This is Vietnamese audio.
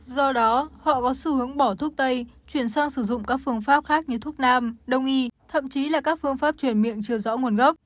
do đó họ có xu hướng bỏ thuốc tây chuyển sang sử dụng các phương pháp khác như thuốc nam đông y thậm chí là các phương pháp chuyển miệng chưa rõ nguồn gốc